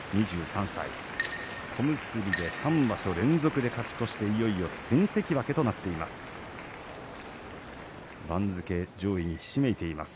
２３歳小結で３場所連続で勝ち越していよいよ新関脇となっています。